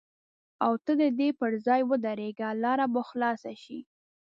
او ته د دې پر ځای ودرېږه لاره به خلاصه شي.